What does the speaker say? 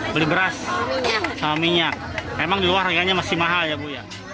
beli beras sama minyak emang di luar harganya masih mahal ya bu ya